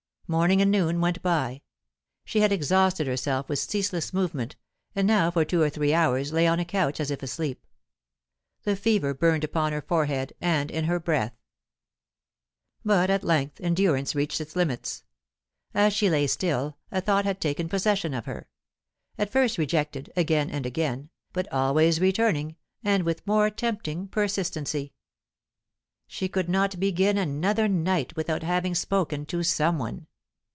Morning and noon went by. She had exhausted herself with ceaseless movement, and now for two or three hours lay on a couch as if asleep. The fever burned upon her forhead and in her breath. But at length endurance reached its limits. As she lay still, a thought had taken possession of her at first rejected again and again, but always returning, and with more tempting persistency. She could not begin another night without having spoken to some one.